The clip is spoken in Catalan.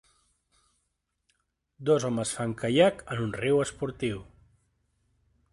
Dos homes fan caiac en un riu esportiu.